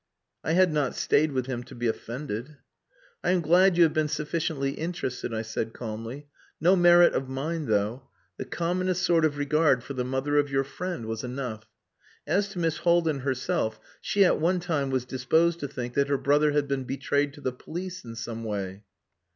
I had not stayed with him to be offended. "I am glad you have been sufficiently interested," I said calmly. "No merit of mine, though the commonest sort of regard for the mother of your friend was enough.... As to Miss Haldin herself, she at one time was disposed to think that her brother had been betrayed to the police in some way."